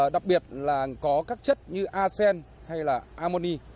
đặc biệt là có các chất như arsen hay là ammoni